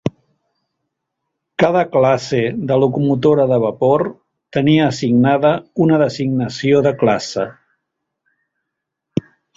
Cada classe de locomotora de vapor tenia assignada una designació de classe.